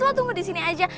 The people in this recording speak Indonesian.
lo tunggu di sini aja